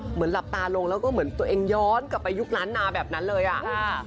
หลับตาลงแล้วก็เหมือนตัวเองย้อนกลับไปยุคล้านนาแบบนั้นเลยอ่ะ